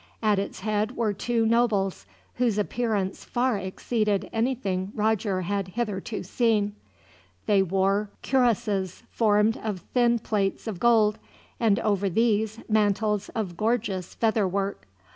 At its head were two nobles, whose appearance far exceeded anything Roger had hitherto seen. They wore cuirasses formed of thin plates of gold, and over these mantles of gorgeous feather work.